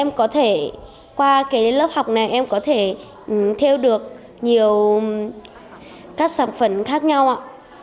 em có thể qua cái lớp học này em có thể theo được nhiều các sản phẩm khác nhau ạ